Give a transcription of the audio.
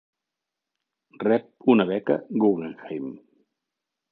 Rep una beca Guggenheim.